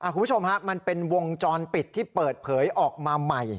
คุณผู้ชมฮะมันเป็นวงจรปิดที่เปิดเผยออกมาใหม่